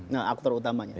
nah aktor utamanya